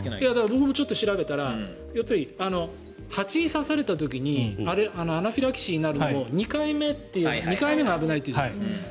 僕もちょっと調べたら蜂に刺された時にアナフィラキシーになるのは２回目が危ないというじゃないですか。